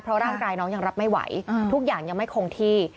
เพราะร่างกายน้องยังรับไม่ไหวทุกอย่างยังไม่คงที่